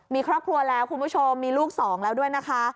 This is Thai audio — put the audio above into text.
มีครอบครัวแล้วคุณผู้ชมมีลูกสองแล้วด้วยนะคะ